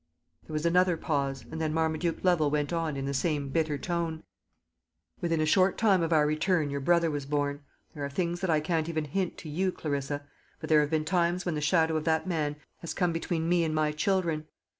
There was another pause, and then Marmaduke Lovel went on, in the same bitter tone: "Within a short time of our return your brother was born. There are things that I can't even hint to you, Clarissa; but there have been times when the shadow of that man has come between me and my children.